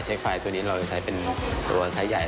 ไฟล์ตัวนี้เราจะใช้เป็นตัวไซส์ใหญ่